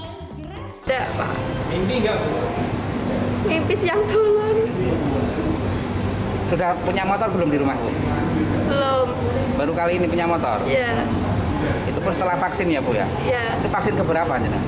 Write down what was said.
sudah punya motor belum di rumah baru kali ini punya motor itu setelah vaksinnya